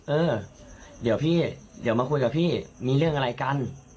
เออเดี๋ยวมาคุยกับพี่มีเรื่องอะไรกัน